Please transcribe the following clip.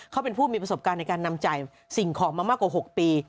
เขาเป็นผู้มีประสบการณ์ในการนำจ่ายสิ่งของมามากกว่า๖ปี